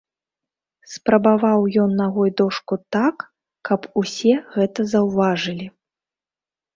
Спрабаваў ён нагой дошку так, каб усе гэта заўважылі.